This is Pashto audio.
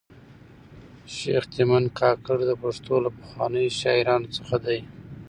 شېخ تیمن کاکړ د پښتو له پخوانیو شاعرانو څخه دﺉ.